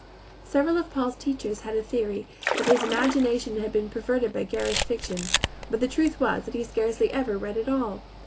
Several of Paul's teachers had a theory that his imagination had been perverted by garish fiction, but the truth was that he scarcely ever read at all.